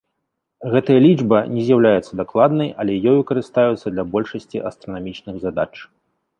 Гэтая лічба не з'яўляецца дакладнай, але ёю карыстаюцца для большасці астранамічных задач.